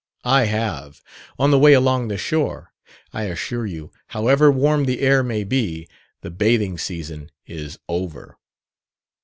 "I have. On the way along the shore. I assure you, however warm the air may be, the bathing season is over."